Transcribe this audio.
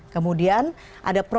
kemudian ada properti